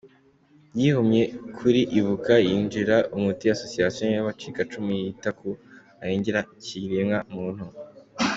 Yihomye kuri Ibuka, yinjira muri association y’abacikacumu yiyita ko arengera ikiremwa muntu.